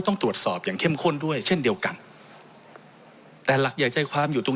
ต้องตรวจสอบอย่างเข้มข้นด้วยเช่นเดียวกันแต่หลักใหญ่ใจความอยู่ตรง